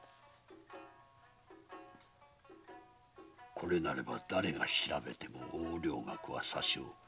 これなれば誰が調べても横領額は些少。